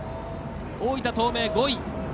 大分東明、５位。